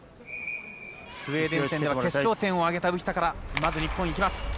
スウェーデン戦では決勝点を挙げた浮田からまず日本、いきます。